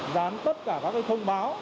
dán tất cả các thông báo